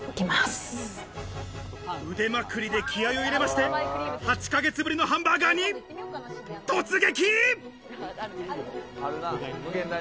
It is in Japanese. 腕まくりで気合いを入れまして、８ヶ月ぶりのハンバーガーに突撃。